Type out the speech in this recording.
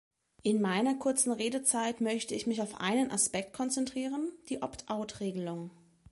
In meiner kurzen Redezeit möchte ich mich auf einen Aspekt konzentrieren, die Opt-out-Regelung.